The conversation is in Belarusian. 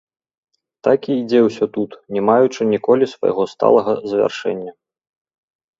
Так і ідзе ўсё тут, не маючы ніколі свайго сталага завяршэння.